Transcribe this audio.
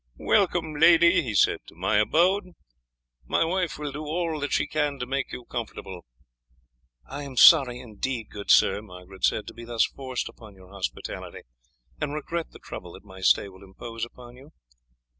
"Welcome, lady," he said, "to my abode. My wife will do all that she can to make you comfortable." "I am sorry indeed, good sir," Margaret said, "to be thus forced upon your hospitality, and regret the trouble that my stay will impose upon you."